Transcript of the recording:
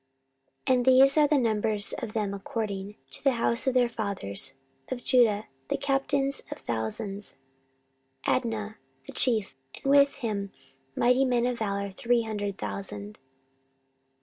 14:017:014 And these are the numbers of them according to the house of their fathers: Of Judah, the captains of thousands; Adnah the chief, and with him mighty men of valour three hundred thousand.